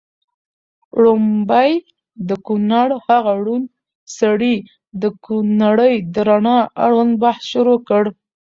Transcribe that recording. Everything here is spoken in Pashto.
ړومبی د کونړ هغه ړوند سړي د نړۍ د رڼا اړوند بحث شروع کړ